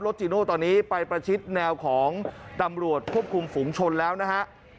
จีโน่ตอนนี้ไปประชิดแนวของตำรวจควบคุมฝุงชนแล้วนะฮะ